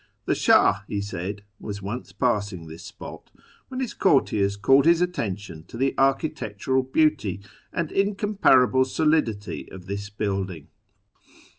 " The Shah," he said, " was once passing this spot when his courtiers called his attention to the architectural beauty and incompar able solidity of this building.